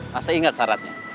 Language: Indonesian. masih ingat syaratnya